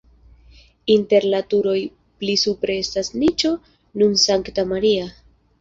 Inter la turoj pli supre estas niĉo kun Sankta Maria.